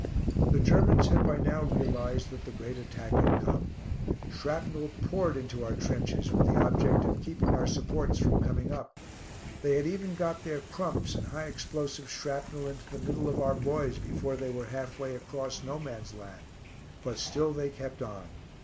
The Germans had by now realised that the great attack had come. Shrapnel poured into our trenches with the object of keeping our supports from coming up. They had even got their "crumps" and high explosive shrapnel into the middle of our boys before they were half way across "No Man's Land." But still they kept on.